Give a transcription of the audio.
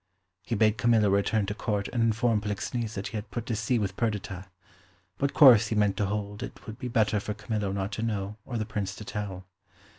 He bade Camillo return to Court and inform Polixenes that he had put to sea with Perdita; what course he meant to hold it would be better for Camillo not to know or the Prince to tell.